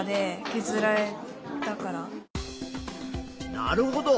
なるほど。